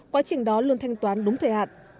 quá trình đó luôn thanh toán đúng thời hạn